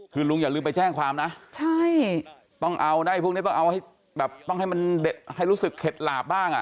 คือลุงอย่าลืมไปแจ้งความนะต้องเอาได้พวกนี้แบบต้องให้รู้สึกเคล็ดหลาบบ้างอ่ะ